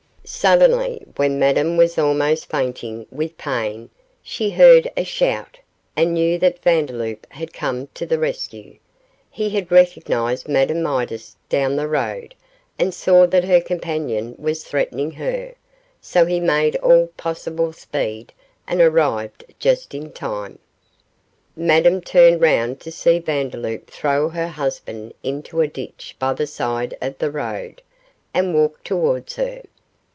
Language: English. Suddenly, when Madame was almost fainting with pain, she heard a shout, and knew that Vandeloup had come to the rescue. He had recognised Madame Midas down the road, and saw that her companion was threatening her; so he made all possible speed, and arrived just in time. Madame turned round to see Vandeloup throw her husband into a ditch by the side of the road, and walk towards her.